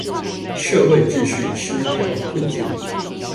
社會秩序失調困境